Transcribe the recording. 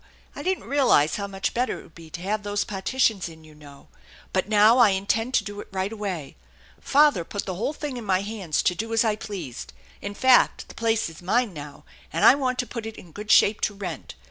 I didn't realize how much better it would be to have those iwrtitions in, you know. But now I intend to do it right. THE ENCHANTED BARN 77 away. Father put the whole thing in my hands to do as I pleased. In fact, the place is mine now, and I want to put it in good shape to rent.